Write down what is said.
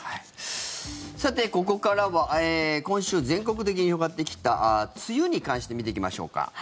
さて、ここからは今週、全国的に広がってきた梅雨に関して見ていきましょうか。